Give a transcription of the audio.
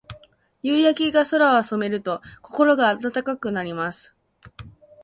夕焼けが空を染めると、心が温かくなります。